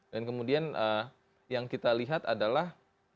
dan kemudian yang kita lihat adalah